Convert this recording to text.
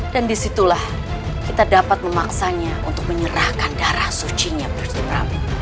dan disitulah kita dapat memaksanya untuk menyerahkan darah sucinya gusti prabu